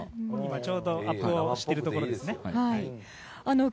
ちょうどアップをしているところですね。